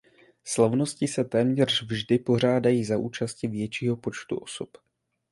Slavnosti se téměř vždy pořádají za účasti většího počtu osob.